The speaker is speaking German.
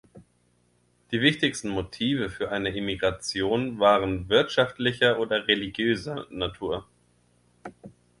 Die wichtigsten Motive für eine Emigration waren wirtschaftlicher oder religiöser Natur.